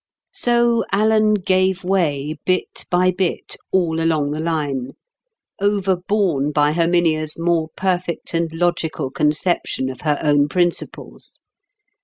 So Alan gave way bit by bit all along the line, overborne by Herminia's more perfect and logical conception of her own principles.